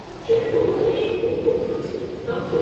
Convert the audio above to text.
分布于全北界。